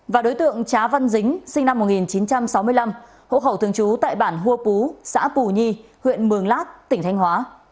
và đối tượng trá văn dính sinh năm một nghìn chín trăm sáu mươi năm hộ khẩu thường trú tại bản hua pú xã pù nhi huyện mường lát tỉnh thanh hóa